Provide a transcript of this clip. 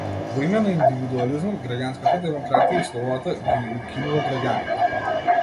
Во име на индивидуализмот, граѓанската демократија и слободата - ги укинува граѓаните.